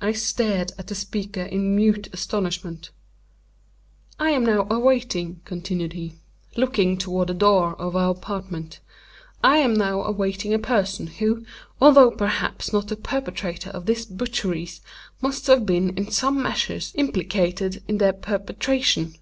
I stared at the speaker in mute astonishment. "I am now awaiting," continued he, looking toward the door of our apartment—"I am now awaiting a person who, although perhaps not the perpetrator of these butcheries, must have been in some measure implicated in their perpetration.